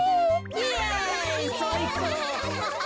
イエイさいこう。